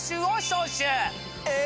え！